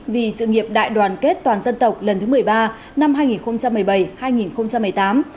vì sự nghiệp đại đoàn kết toàn dân tộc lần thứ một mươi ba năm hai nghìn một mươi bảy hai nghìn một mươi tám